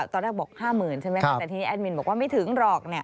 ตอนแรกบอก๕๐๐๐ใช่ไหมคะแต่ทีนี้แอดมินบอกว่าไม่ถึงหรอก